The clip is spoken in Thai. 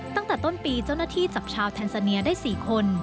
ตั้งแต่ต้นปีเจ้าหน้าที่จับชาวแทนซาเนียได้๔คน